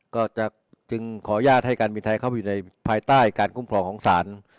ก็จะจึงขออนุญาตให้การบินไทยเข้าอยู่ในภายใต้การคุ้มครองของศาล